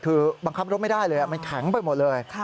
คือบังคับรถไม่ได้เลยมันแข็งไปหมดเลย